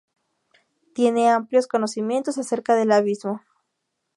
Tiene amplios conocimientos acerca del Abismo.